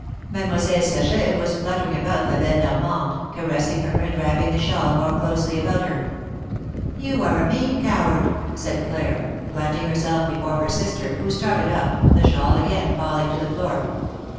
Mademoiselle Saget was fluttering about La belle Nor mande, caressing her, and wrapping the shawl more closely about her. ^^You area mean coward!" said Claire, planting herself before her sister, who started up, the shawl again falling to the floor.